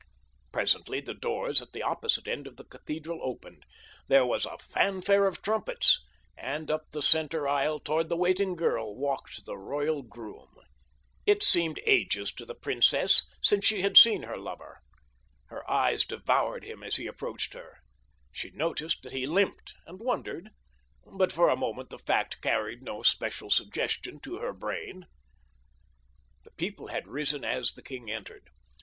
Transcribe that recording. Presently the doors at the opposite end of the cathedral opened. There was a fanfare of trumpets, and up the center aisle toward the waiting girl walked the royal groom. It seemed ages to the princess since she had seen her lover. Her eyes devoured him as he approached her. She noticed that he limped, and wondered; but for a moment the fact carried no special suggestion to her brain. The people had risen as the king entered.